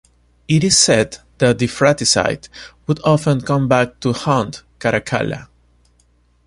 It is said that the fratricide would often come back to haunt Caracalla.